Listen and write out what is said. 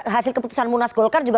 hasil keputusan munas golkar juga